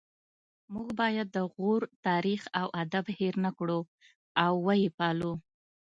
موږ باید د غور تاریخ او ادب هیر نکړو او ويې پالو